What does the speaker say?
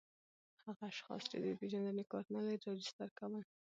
هغه اشخاص چي د پېژندني کارت نلري راجستر کول